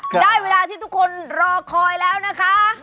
ได้เวลาที่ทุกคนรอคอยแล้วนะคะ